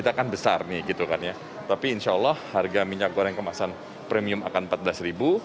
tapi insya allah harga minyak goreng kemasan premium akan rp empat belas